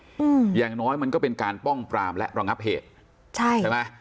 อืมอย่างน้อยมันก็เป็นการป้องปรามและระงับเหตุใช่ใช่ไหม